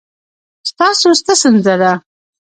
ستاسو څه ستونزه ده؟